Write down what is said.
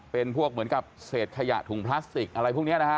เป็นพวกเหมือนกับเศษขยะถุงพลาสติกอะไรพวกนี้นะฮะ